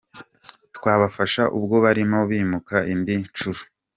Twabafashe ubwo barimo bimuka indi nshuro.